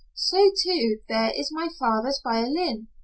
So, too, there is my father's violin.